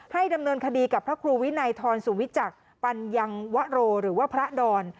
ดำเนินคดีกับพระครูวินัยทรสุวิจักรปัญญังวโรหรือว่าพระดอน